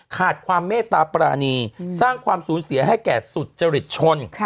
ขาดความเมตตาปรานีสร้างความสูญเสียให้แก่สุจริตชน